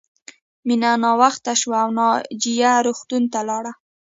مینه ناوخته شوه او ناجیه روغتون ته لاړه